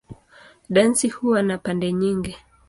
Dansi huwa na pande nyingi.